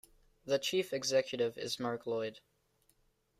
The Chief Executive is Mark Lloyd.